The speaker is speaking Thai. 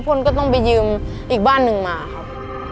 พลก็ต้องไปยืมอีกบ้านหนึ่งมาครับ